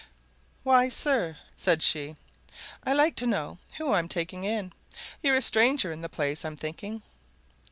"Why, sir," said she. "I like to know who I'm taking in. You're a stranger in the place, I'm thinking."